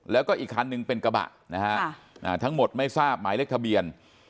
แล้วก็อีกคันนึงเป็นกระบะนะฮะทั้งหมดไม่ทราบหมายเลขทะเบียน